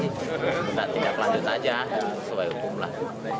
tidak tindak lanjut aja soal hukum lah